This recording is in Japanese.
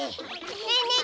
ねえねえ